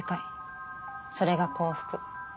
それが幸福。